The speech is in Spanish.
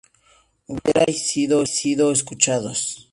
hubiérais sido escuchados